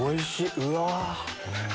うわ！